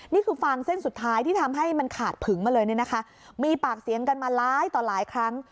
ฟางเส้นสุดท้ายที่ทำให้มันขาดผึงมาเลยเนี่ยนะคะมีปากเสียงกันมาหลายต่อหลายครั้ง